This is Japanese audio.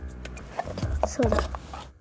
そうだ。